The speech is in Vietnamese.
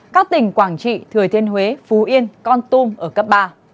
các tỉnh quảng trị thừa thiên huế phú yên con tum ở cấp ba